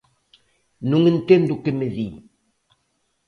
Non entendo o que me di.